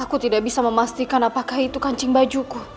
aku tidak bisa memastikan apakah itu kancing bajuku